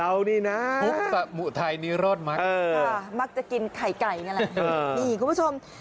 อ้าวอีกแล้วเรานี่นะมักจะกินไข่ไก่อย่างนั้นแหละนี่คุณผู้ชม